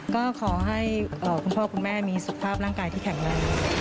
ก็ขอให้คุณพ่อคุณแม่มีสุขภาพร่างกายที่แข็งแรง